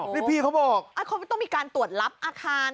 ต้องมีการตรวจรับอาคาร